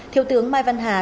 thiếu tướng mai văn hà